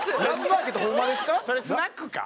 それスナックか？